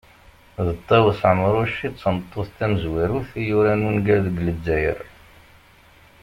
D Ṭawes Ɛemruc i tameṭṭut tamezwarut yuran ungal deg Lezzayer.